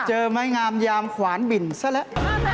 เจอไม่งามยามขวานบิ่นซะละ